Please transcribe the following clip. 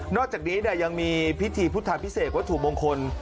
อกจากนี้ยังมีพิธีพุทธาพิเศษวัตถุมงคล